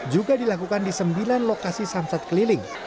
juga dilakukan di sembilan lokasi samsat keliling